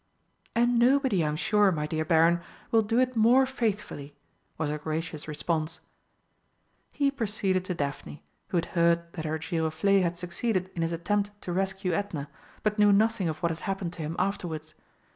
"And nobody, I'm sure, my dear Baron, will do it more faithfully!" was her gracious response. He proceeded to Daphne, who had heard that her Giroflé had succeeded in his attempt to rescue Edna, but knew nothing of what had happened to him afterwards.